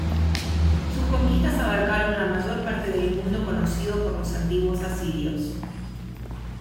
Sus conquistas abarcaron la mayor parte del mundo conocido por los antiguos asirios.